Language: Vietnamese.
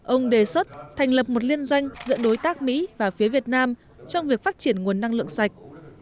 ông đề xuất thành lập một liên doanh giữa đối tác mỹ và phía việt nam trong việc phát triển nguồn năng lượng sạch